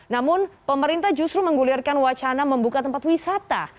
namun pemerintah justru menggulirkan wacana membuka tempat wisata